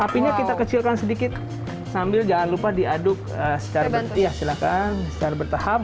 apinya kita kecilkan sedikit sambil jangan lupa diaduk secara silakan secara bertahap